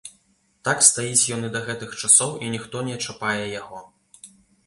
Так стаіць ён і да гэтых часоў, і ніхто не чапае яго.